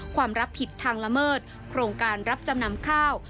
ความรับผิดทางละเมิดโครงการรับจำนำข้าว